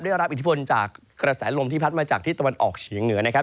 ได้รับอิทธิพลจากกระแสลมที่พัดมาจากที่ตะวันออกเฉียงเหนือนะครับ